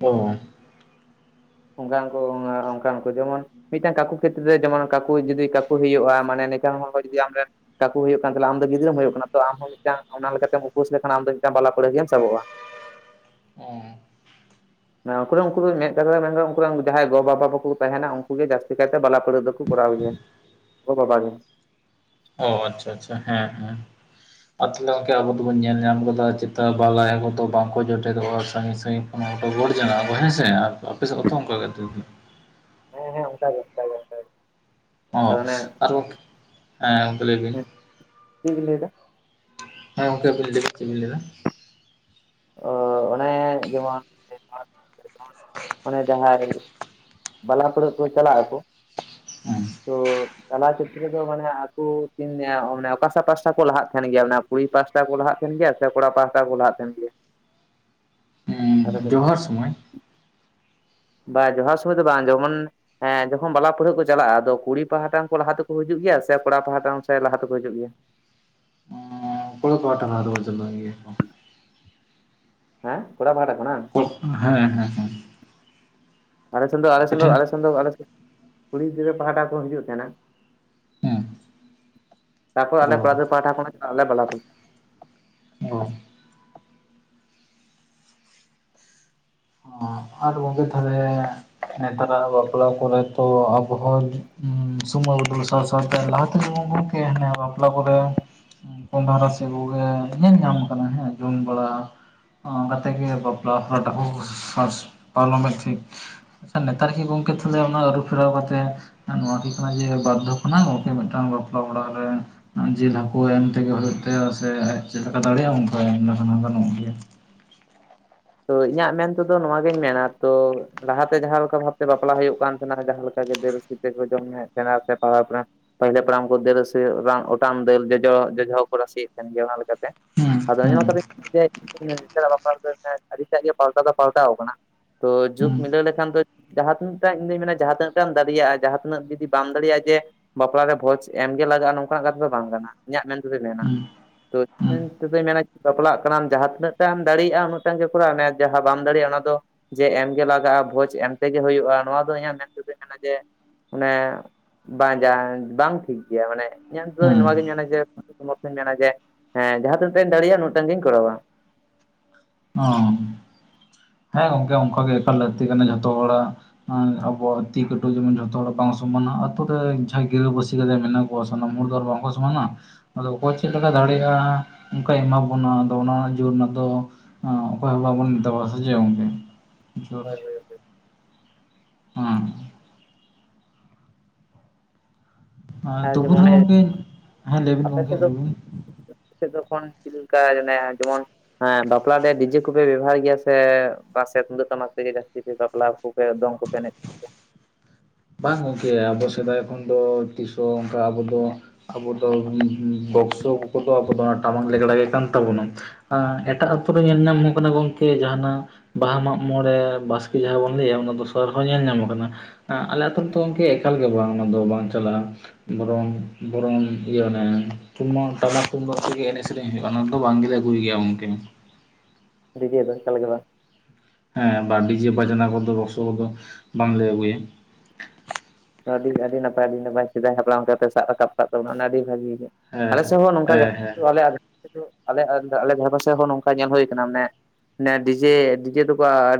ᱚ- ᱚᱱᱠᱟᱠᱚ ᱚᱱᱟ ᱚᱱᱠᱟᱠᱚ ᱡᱚᱢᱚᱱ ᱢᱤᱫᱴᱟᱝ ᱠᱟᱠᱩ ᱠᱷᱮᱛᱨᱮ ᱨᱮ ᱡᱮᱢᱚᱱ ᱠᱟᱠᱩᱭ ᱡᱩᱫᱤ ᱠᱟᱠᱩ ᱦᱩᱭᱩᱜᱼᱟ ᱢᱟᱱᱮ ᱱᱝᱠᱟᱱ ᱦᱚᱲ ᱡᱩᱫᱤ ᱟᱢ ᱨᱮᱱ ᱠᱟᱠᱩ ᱦᱩᱭᱩᱜ ᱠᱟᱱ ᱛᱟᱞᱮ ᱟᱢ ᱫᱚ ᱜᱤᱫᱽᱨᱟᱹᱢ ᱦᱩᱭᱩᱜ ᱠᱟᱱᱟ ᱛᱚ ᱟᱢ ᱦᱚᱸ ᱢᱤᱫᱴᱟᱝ ᱚᱱᱟ ᱞᱮᱠᱟᱛᱮᱢ ᱩᱯᱟᱹᱥ ᱞᱮᱠᱷᱟᱱ ᱟᱢ ᱫᱚ ᱢᱤᱫᱴᱟᱱ ᱵᱟᱞᱟ ᱠᱚᱲᱟ ᱜᱮᱢ ᱥᱟᱵᱚᱜᱼᱟ [inaudible] ᱮᱸ ᱩᱱᱠᱩ ᱩᱱᱠᱩ ᱫᱚ ᱢᱟᱱᱮ ᱩᱱᱠᱩ ᱨᱮᱱ ᱡᱟᱦᱟᱸᱭ ᱜᱚᱼ ᱵᱟᱵᱟ ᱠᱚ ᱛᱟᱦᱮᱱᱟ ᱩᱱᱠᱩᱜ ᱜᱮ ᱡᱟᱹᱥᱛᱤ ᱠᱟᱭᱛᱮ ᱵᱟᱞᱟ ᱯᱟᱹᱲᱦᱟᱹ ᱫᱚᱠᱚ ᱠᱚᱨᱟᱣ ᱜᱮᱭᱟ ᱜᱚ ᱵᱟᱵᱟ ᱜᱮ ᱚ ᱟᱪᱪᱷᱟ ᱟᱪᱪᱷᱟ ᱦᱮᱸ ᱦᱮᱸ ᱟᱨ ᱛᱟᱦᱚᱞᱮ‌ ᱟᱵᱚ ᱫᱚᱵᱚᱱ ᱧᱮᱞ ᱧᱟᱢ ᱜᱚᱫᱟ ᱪᱮᱛᱟ ᱞᱟᱦᱟᱭᱟ ᱠᱚ ᱫᱚ ᱵᱟᱝᱠᱚ ᱡᱚᱴᱮᱫᱚᱜ-ᱟ ᱥᱟᱸᱜᱤᱧ ᱥᱟᱺᱜᱤᱧ᱾ ᱚᱱᱟ ᱠᱚ ᱜᱚᱰ ᱡᱚᱱᱟᱜ-ᱟ ᱠᱚ ᱦᱮᱸ ᱥᱮ ᱟᱨ ᱟᱯᱮ ᱥᱮᱫ ᱦᱚᱸ ᱛᱤᱱᱟᱹᱜ ᱠᱚ ᱜᱚᱰ ᱡᱚᱱᱟᱜ-ᱟ ᱦᱮᱸ ᱦᱮᱸ ᱚᱝᱠᱟ ‌ᱜᱮ ᱚᱝᱠᱟ ᱜᱮ ᱚᱝᱠᱟ ᱜᱮ᱾ ᱚᱸ ᱟᱫᱚ ᱚᱱᱮ ᱟᱨ ᱮᱸ ᱜᱚᱝᱠᱮ ᱞᱟᱹᱭ ᱵᱤᱱ ᱪᱮᱫ ᱵᱤᱱ ᱞᱟᱹᱭᱮᱫᱟ ᱦᱮᱸ ᱜᱚᱝᱠᱮ ᱟᱹᱵᱤᱱ ᱞᱟ. ᱭᱵᱤᱱ ᱪᱮᱫ ᱵᱤᱱ ᱞᱟᱹᱭ ᱮᱫᱟ ᱚ ᱚᱱᱮ ᱡᱮᱢᱚᱱ ᱚᱱᱮ ᱡᱟᱦᱟᱸᱨᱮ ᱵᱟᱞᱟ [unintelligible] ᱠᱚ ᱪᱟᱞᱟᱜ ᱟᱠᱚ ᱚᱸ ᱛᱚ ᱪᱟᱞᱟ ᱠᱷᱮᱛᱨᱚ ᱫᱚ ᱢᱟᱱᱮ ᱟᱠᱚ ᱠᱤᱱ ᱢᱟᱱᱮ ᱚᱠᱟᱥᱮ ᱯᱟᱥᱴᱟ ᱠᱚ ᱞᱟᱦᱟᱜ ᱛᱟᱦᱮᱱ ᱜᱮᱭᱟ ᱚᱱᱟ ᱠᱩᱲᱤ ᱯᱟᱦᱴᱟ ᱠᱚ ᱞᱟᱦᱟᱜ ᱛᱟᱦᱮᱱ ᱜᱮᱭᱟ ᱥᱮ ᱠᱚᱲᱟ ᱯᱟᱦᱟᱴᱟ ᱠᱚ ᱞᱟᱦᱟᱜ ᱛᱟᱦᱮᱱ ᱜᱮᱭᱟ ᱟᱯᱮ ᱥᱮᱫ ᱫᱚ ᱡᱚᱦᱟᱨ ᱥᱩᱢᱚᱭ ᱵᱟ ᱡᱚᱦᱟᱨ ᱥᱩᱚᱢᱚᱭ ᱫᱚ ᱵᱟᱝ ᱡᱮᱢᱚᱱ ᱦᱮᱸ ᱡᱚᱠᱷᱚᱱ ᱵᱟᱞᱟ ᱯᱟᱹᱬᱦᱟᱜᱹ ᱠᱚ ᱪᱟᱞᱟᱜ-ᱟ ᱟᱫᱚ ᱠᱩᱲᱤ ᱯᱟᱦᱴᱟ ᱦᱚᱸ ᱠᱚ ᱞᱟᱦᱟ ᱛᱮᱠᱚ ᱦᱤᱡᱩᱜ ᱜᱮᱭᱟ ᱥᱮ ᱠᱚᱲᱟ ᱯᱟᱦᱴᱟ ᱦᱚᱸ ᱥᱮ ᱞᱟᱦᱟ ᱛᱮᱠᱩ ᱦᱤᱡᱩᱜ ᱜᱮᱭᱟ? ᱠᱚᱲᱟ ᱯᱟᱦᱴᱟ ᱦᱚᱸ ᱟᱫᱚ ᱠᱚ ᱪᱟᱞᱟᱜ ᱜᱮᱭᱟ ᱠᱚ᱾ ᱦᱮᱸ ᱠᱚᱲᱟ ᱯᱟᱦᱴᱟ ᱠᱷᱚᱱᱟᱝ? ᱠᱚ, ᱦᱮᱸ ᱦᱮᱸ ᱦᱮᱸ᱾ ᱟᱞᱮ ᱥᱮᱱ ᱫᱚ ᱟᱞᱮ ᱟᱯᱮ ᱥᱮᱱ ᱫᱚ ᱴᱷᱮᱱ ᱟᱞᱮ ᱥᱮᱱ ᱫᱚ ᱟᱞᱮ ᱥᱮᱫ ᱠᱩᱲᱤ ᱜᱤᱫᱽᱨᱟᱹ ᱯᱟᱦᱴᱟ ᱠᱚ ᱦᱤᱡᱩᱜ ᱛᱮᱦᱮᱸᱱᱟ᱾ ᱦᱮᱸ ᱛᱟᱨᱯᱚᱨᱮ ᱟᱞᱮ ᱠᱚᱲᱟ ᱚ ᱜᱤᱫᱽᱨᱟᱹ ᱯᱟᱦᱴᱟ ᱠᱷᱚᱱᱟᱜ ᱪᱟᱞᱟᱜ ᱞᱮ ᱵᱟᱞᱟ ᱯᱟᱹᱲᱼᱼ ᱚ ᱟᱫᱚ ᱜᱚᱝᱠᱮ ᱛᱟᱦᱚᱞᱮ? ᱱᱮᱛᱟᱨᱟᱜ ᱵᱟᱯᱞᱟ ᱠᱚᱨᱮ ᱛᱚ ᱟᱵᱚ ᱦᱚᱸ ᱡᱚ ᱩᱸ ᱵᱚᱱ ᱥᱚᱢᱟᱹᱭ ᱵᱚᱫᱚᱞ ᱥᱟᱶ ᱥᱟᱶᱛᱮ ᱞᱟᱦᱟ ᱛᱮᱱ ᱩᱝᱠᱩ ᱮᱸ ᱦᱟᱱᱮ ᱵᱟᱯᱞᱟ ᱠᱚᱨᱮ ᱩᱸ ᱠᱚᱸᱰᱷᱟ ᱨᱟᱥᱮ ᱠᱚ ᱜᱮ ᱧᱮᱞ ᱧᱟᱢ ᱠᱟᱱᱟ ᱦᱮᱸ ᱡᱚᱢ ᱵᱟᱲᱟᱼᱼ ᱚᱝᱠᱟ ᱛᱮᱜᱮ ᱵᱟᱯᱞᱟ ᱦᱚᱸ ᱰᱚᱜᱽ ᱟᱨ ᱚᱱᱟᱜᱮ ᱴᱷᱤᱠ ᱟᱪᱪᱷᱟ ᱱᱮᱛᱟᱨ ᱜᱮ ᱜᱚᱝᱠᱮ ᱛᱟᱦᱞᱮ ᱚᱱᱟ ᱟᱹᱨᱩ ᱯᱷᱮᱨᱟᱣ ᱠᱟᱛᱮᱜ ᱟᱨ ᱱᱚᱶᱟ ᱠᱤ ᱠᱟᱱᱟ ᱡᱮ ᱵᱟᱨ ᱫᱷᱚᱯ ᱠᱷᱚᱱᱟᱜ ᱜᱚᱝᱠᱮ ᱢᱮᱫ ᱴᱟᱝ ᱵᱟᱯᱞᱟ ᱚᱲᱟᱜ ᱨᱮ᱾ ᱟᱸ ᱡᱤᱞ ᱦᱟᱠᱚ ᱮᱢ ᱛᱮᱜᱮ ᱦᱚᱭᱚᱜ ᱛᱟᱭᱟ ᱥᱮ ᱟᱡ ᱪᱮᱫ ᱞᱮᱠᱟ ᱫᱟᱲᱮᱭᱟᱜ-ᱟ ᱚᱱᱠᱟ ᱮᱢ ᱞᱮᱠᱷᱟᱱ ᱦᱚᱸ ᱜᱟᱱᱚᱜ ᱜᱮᱭᱟ᱾ ᱛᱚ ᱤᱧᱟᱜ ᱢᱮᱱ ᱛᱮᱫᱚ ᱱᱚᱶᱟ ᱜᱤᱧ ᱢᱮᱱᱟ ᱛᱚ ᱞᱟᱦᱟ ᱛᱮ ᱡᱟᱦᱟᱸ ᱞᱮᱠᱟ ᱵᱷᱟᱵᱽ ᱛᱮ ᱵᱟᱯᱞᱟ ᱦᱚᱭᱚᱜ ᱠᱟᱱ ᱛᱮᱦᱮᱸᱱᱟ ᱡᱟᱦᱟᱸ ᱞᱮᱠᱟ ᱜᱮ ᱫᱟᱹᱞᱼᱼ [unintelligible] ᱠᱚ ᱡᱚᱢ ᱧᱩᱭᱮᱜ ᱛᱮᱦᱮᱱᱟ ᱥᱮᱛᱟ ᱵᱟᱯᱞᱟ ᱯᱟᱹᱦᱤᱞᱮ ᱯᱟᱲᱟᱢ ᱠᱚ ᱫᱟᱹᱞ ᱨᱟᱹᱥᱮ ᱵᱟᱝ ᱚᱴᱟᱝ ᱫᱟᱹᱞ ᱡᱚᱡᱚ ᱡᱚᱡᱚ ᱦᱚᱸ ᱠᱚ ᱨᱟᱥᱤ ᱭᱮᱫ ᱛᱟᱦᱮᱱ ᱜᱮᱭᱟ ᱚᱱᱟ ᱞᱮᱠᱟ‌ ᱛᱮ᱾ ᱦᱩᱸ ᱟᱫᱚ ᱚᱧᱟ ᱦᱩᱸ ᱞᱮᱠᱟ ᱛᱮ [inaudible] ᱵᱟᱯᱞᱟ ᱨᱮ‌ᱫᱚ ᱮᱱᱛᱮᱜ ᱟᱰᱤᱴᱟᱜ ᱜᱮ ᱯᱟᱞᱴᱟᱣ ᱫᱚ ᱯᱟᱞᱴᱟᱣ ᱠᱟᱱᱟ᱾ ᱛᱚ ᱡᱩᱜᱽ ᱦᱩᱸ ᱢᱤᱞᱟᱹᱣ ᱞᱮᱠᱷᱟᱱ ᱫᱚ ᱡᱟᱦᱟᱸ ᱛᱤᱱᱟᱹᱜ ᱴᱟᱜ ᱤᱧ ᱫᱩᱧ ᱢᱮᱱᱟ ᱡᱟᱦᱟᱸ ᱛᱤᱱᱟᱹᱜ ᱴᱟᱜ ᱫᱟᱲᱤᱭᱟᱜ-ᱟ ᱡᱟᱦᱟᱸ ᱛᱤᱱᱟᱹᱜ ᱡᱩᱫᱤ ᱵᱟᱢ ᱫᱟᱲᱮᱭᱟᱜ-ᱟ ᱡᱮ ᱵᱟᱯᱞᱟ ᱨᱮ ᱵᱷᱚᱡᱽ ᱮᱢ ᱜᱮ ᱞᱟᱜᱟᱜ-ᱟ ᱱᱚᱝᱠᱟ ᱱᱟᱜ ᱠᱟᱛᱷᱟ ᱫᱚ ᱵᱟᱝ ᱠᱟᱱᱟ ᱤᱧᱟᱜ ᱢᱮᱱ ᱛᱮᱫᱚᱭ ᱢᱮᱱᱟ᱾ ᱦᱩᱸ ᱛᱚ ᱤᱧ ᱛᱮᱫᱚᱧ ᱢᱮᱱᱟ ᱵᱟᱯᱞᱟᱜ ᱠᱟᱱᱟᱢ ᱡᱟᱦᱟᱸ ᱛᱤᱱᱟᱹᱜ ᱴᱟᱜ ᱛᱮᱢ ᱫᱟᱲᱤᱭᱟᱜ-ᱟ ᱩᱱᱟᱹᱜᱼᱼ ᱱᱟᱹᱝ ᱜᱮ ᱠᱚᱨᱟᱣ ᱢᱮ ᱡᱟᱦᱟᱸ ᱵᱟᱢ ᱫᱟᱲᱮᱤᱟᱜ- ᱟ ᱚᱱᱟ ᱫᱚᱼᱼ ᱡᱮ ᱮᱢ ᱜᱮ ᱞᱟᱜᱟᱜ-ᱟ ᱵᱷᱚᱡᱽ ᱮᱢ ᱛᱮᱜᱮ ᱦᱩᱭᱩᱜ-ᱟ ᱱᱚᱶᱟ ᱫᱚ ᱤᱧᱟᱜ ᱢᱮᱱ ᱛᱮᱫᱚᱧ ᱢᱮᱱᱟ ᱡᱮ ᱚᱱᱮᱼᱼ ᱵᱟ ᱡᱟᱝ ᱵᱟᱝ ᱴᱷᱤᱠ ᱜᱮᱭᱟ ᱢᱟᱱᱮ ᱤᱧᱟᱜ ᱮᱱ ᱦᱩᱸ ᱛᱮᱫᱚᱧ ᱦᱩᱸ ᱱᱚᱶᱟ ᱜᱤᱧ ᱢᱮᱱᱟ ᱡᱮᱼᱼ ᱛᱚ ᱚᱱᱟ ᱛᱮᱧ ᱢᱮᱱᱟ ᱡᱮ ᱦᱮᱸ ᱡᱟᱦᱟᱸ ᱛᱤᱱᱟᱹᱜ ᱴᱟᱝᱤᱧ ᱫᱟᱲᱤᱭᱟᱜ ᱩᱱᱟᱹᱜ ᱴᱟᱝ ᱜᱤᱧ ᱠᱚᱨᱟᱣᱟ᱾ ᱦᱚᱸ, ᱦᱮᱸ ᱜᱚᱝᱠᱮ ᱚᱝᱠᱟ ᱜᱮ ᱮᱠᱟᱞ ᱞᱟᱹᱠᱛᱤ ᱠᱟᱱᱟ ᱡᱷᱚᱛᱚ ᱦᱚᱲᱟᱜ ᱟᱸ ᱟᱵᱚᱣᱟᱜ ᱛᱤ ᱠᱟᱹᱴᱩᱵ ᱡᱮᱢᱚᱱ ᱡᱷᱚᱛᱚ ᱦᱚᱲ ᱵᱟᱝ ᱥᱚᱢᱟᱱᱟ ᱟᱹᱛᱩ‌ ᱨᱮ ᱡᱟᱦᱟᱸᱭ ᱜᱤᱨᱟᱹᱵᱟᱹᱥᱤ ᱠᱟᱛᱮᱜ ᱢᱮᱱᱟᱜ ᱟᱵᱚᱣᱟᱜ ᱥᱟᱱᱟᱢ ᱦᱚᱲ ᱫᱚ ᱟᱨ ᱵᱟᱝ ᱠᱚ ᱥᱚᱢᱟᱱᱟ᱾ ᱟᱫᱚ ᱚᱠᱚᱭ ᱪᱮᱫ ᱦᱳᱭ ᱞᱮᱠᱟ ᱫᱟᱲᱮᱭᱟᱜ-ᱟ ᱚᱱᱠᱟᱭ ᱮᱢᱟ ᱵᱚᱱᱟ ᱟᱫᱚ ᱚᱱᱟ ᱨᱮᱱᱟᱜ ᱡᱳᱨ ᱨᱮᱱᱟᱜ ᱫᱚᱼᱼ ᱦᱚᱸ ᱚᱠᱚᱭ ᱦᱚᱸ ᱵᱟᱵᱚᱱ ᱫᱟᱵᱟᱣ ᱫᱷᱮᱡᱭᱟ ᱜᱚᱝᱠᱮ, ᱡᱚᱨᱼᱼ ᱦᱳᱭ ᱦᱳᱭ ᱦᱚᱸ᱾ ᱦᱮᱸ ᱟᱨ ᱛᱩᱵᱩ ᱡᱮᱢᱚᱱ ᱨᱮᱦᱚᱸ ᱜᱚᱝᱠᱮ ᱟᱯᱮ ᱦᱮᱸ ᱞᱟᱹᱭ ᱵᱤᱱ ᱜᱚᱝᱠᱮ ᱞᱟᱹᱭ ᱵᱤᱱ? ᱥᱮᱜ ᱡᱚᱠᱚᱱ ᱪᱤᱞᱤ‌ ᱞᱮᱠᱟ ᱚᱱᱮ ᱡᱮᱢᱚᱱ ᱦᱮᱸ ᱵᱟᱯᱞᱟ ᱨᱮ ᱰᱤᱡᱮ ᱠᱚᱯᱮ ᱵᱮᱵᱷᱟᱨ ᱜᱮᱭᱟ ᱥᱮ ᱵᱟ ᱥᱮ ᱛᱩᱢᱫᱟᱹᱜ ᱴᱟᱢᱟᱠ ᱛᱮᱜᱮ ᱡᱟᱥᱛᱤ ᱵᱟᱯᱞᱟ ᱠᱩᱼᱼ ᱥᱮ ᱫᱚᱝ ᱠᱚ ᱯᱮ ᱮᱱᱮᱡ ᱜᱮᱭᱟ᱾ ᱵᱟᱝ ᱜᱚᱝᱠᱮ ᱟᱵᱚ ᱥᱮᱫᱟᱭ ᱠᱷᱚᱱ ᱫᱚ ᱛᱤᱥ ᱦᱚᱸ ᱚᱝᱠᱟ ᱟᱵᱚ ᱫᱚ᱾ ᱟᱵᱚ ᱫᱚ ᱵᱚᱠᱥᱚ ᱠᱚᱫᱚ ᱟᱵᱚ ᱫᱚ ᱴᱟᱢᱟᱠ ᱞᱮᱜᱽᱲᱟ ᱜᱮ ᱠᱟᱱ ᱛᱟᱵᱚᱱᱟ ᱮᱴᱟᱜ ᱟᱹᱛᱩ ᱨᱮ ᱧᱮᱞ ᱧᱟᱢᱚᱜ ᱠᱟᱱᱟ ᱜᱚᱝᱠᱮ ᱡᱟᱦᱟᱱᱟᱜ ᱵᱟᱦᱟ ᱢᱟᱜ ᱢᱚᱬᱮ ᱵᱟᱥᱠᱮ ᱡᱟᱦᱟᱸ ᱵᱚᱱ ᱞᱟᱹᱭᱟ ᱚᱱᱟ ᱫᱚᱥᱟᱨ ᱦᱚᱸ ᱧᱮᱞ ᱧᱟᱢ ᱟᱠᱟᱱᱟ᱾ ᱟᱞᱮ ᱟᱛᱩ ᱨᱮᱫᱚ ᱜᱚᱝᱠᱮ‌ ᱮᱠᱟᱞ ᱜᱮ ᱵᱟᱝ ᱚᱱᱟ ᱫᱚ ᱵᱟᱝ ᱪᱟᱞᱟᱜ-ᱟ᱾ ᱵᱚᱨᱚᱝ ᱵᱚᱨᱚᱝ ᱤᱭᱟᱹ ᱚᱱᱮ ᱛᱩᱢᱟᱠ ᱴᱟᱢᱟᱠ ᱛᱩᱢᱫᱟᱜ ᱛᱮᱜᱮ ᱮᱱᱮᱡ ᱥᱤᱨᱤᱼᱼ ᱞᱟᱹᱭ ᱦᱩᱭᱩᱜ-ᱟ ᱚᱱᱟ ᱫᱚ ᱵᱟᱝ ᱜᱮᱞᱮ ᱟᱹᱜᱩᱭ ᱜᱮᱭᱟ ᱜᱚᱝᱠᱮ᱾ ᱰᱤᱡᱮ ᱫᱚ ᱮᱠᱟᱞ ᱜᱮ ᱵᱟᱝ᱾ ᱦᱮᱸ ᱵᱟ ᱰᱤᱡᱮ ᱵᱟᱡᱽᱱᱟ ᱠᱚᱫᱚ ᱵᱚᱠᱥᱚ ᱠᱚᱫᱚ ᱵᱟᱝ ᱞᱮ ᱟᱹᱜᱩᱭᱟ᱾ ᱟᱹᱰᱤ ᱟᱹᱰᱤ ᱱᱟᱯᱟᱭ ᱟᱹᱰᱤ ᱱᱟᱯᱟᱭ ᱥᱮᱫᱟᱭ ᱦᱟᱯᱲᱟᱢ ᱞᱮᱠᱟ ᱯᱮ ᱥᱟᱵ ᱨᱟᱠᱟᱵ ᱠᱟᱜ ᱛᱟᱵᱚᱱᱟ ᱚᱱᱟ ᱟᱹᱰᱤ ᱵᱷᱟᱜᱤ ᱜᱮ᱾ ᱟᱞᱮ ᱦᱮᱸ ᱥᱮᱫ ᱦᱚᱸ ᱱᱚᱝᱠᱟ ᱜᱮ ᱦᱮᱸ ᱦᱮᱸ ᱟᱞᱮ ᱟᱨ ᱟᱞᱮ ᱥᱮᱫ ᱫᱚ ᱟᱞᱮ ᱟᱛ ᱟᱞᱮ ᱫᱷᱟᱨᱮ ᱯᱟᱥᱮ ᱦᱚᱸ ᱱᱚᱝᱠᱟ ᱧᱮᱞ ᱦᱚᱭ ᱠᱟᱱᱟ ᱢᱟᱱᱮ ‌ᱱᱮ ᱰᱤᱡᱮ ᱰᱤᱡᱮ ᱫᱚᱠᱚ ᱟᱼᱼ